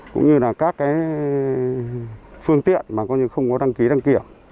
cũng như là các phương tiện mà không có đăng ký đăng kiểm